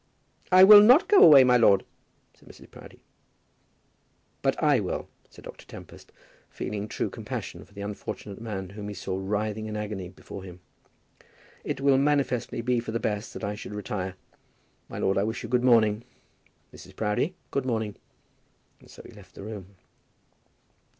"I will not go away, my lord," said Mrs. Proudie. "But I will," said Dr. Tempest, feeling true compassion for the unfortunate man whom he saw writhing in agony before him. "It will manifestly be for the best that I should retire. My lord, I wish you good morning. Mrs. Proudie, good morning." And so he left the room.